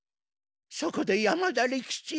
そこで山田利吉。